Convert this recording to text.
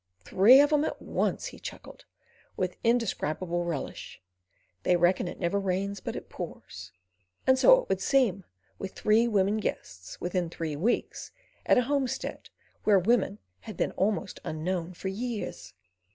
"Three on 'em at once," he chuckled with indescribable relish. "They reckon it never rains but it pours." And so it would seem with three women guests within three weeks at a homestead where women had been almost unknown for years.